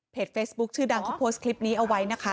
เฟซบุ๊คชื่อดังเขาโพสต์คลิปนี้เอาไว้นะคะ